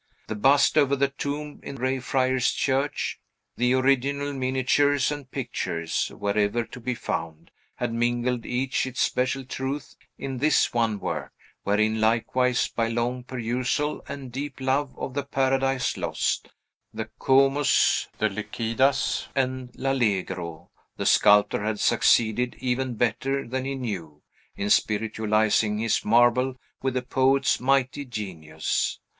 The bust over the tomb in Grey Friars Church, the original miniatures and pictures, wherever to be found, had mingled each its special truth in this one work; wherein, likewise, by long perusal and deep love of the Paradise Lost, the Comus, the Lycidas, and L'Allegro, the sculptor had succeeded, even better than he knew, in spiritualizing his marble with the poet's mighty genius.